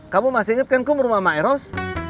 kamu masih inget kan kum rumah maeros